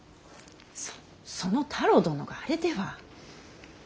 そその太郎殿があれでは。